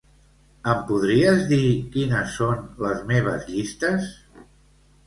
Em podries dir quines són les meves llistes?